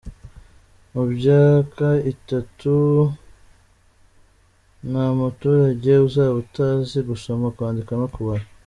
Mu myaka Itatu nta muturage uzaba atazi gusoma, kwandika no kubara